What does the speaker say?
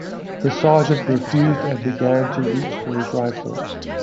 The sergeant refused and began to reach for his rifle.